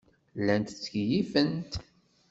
Llant ttkeyyifent.